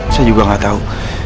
saya juga gak tau